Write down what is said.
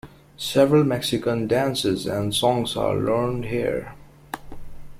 Several Mexican dances and songs are learned here.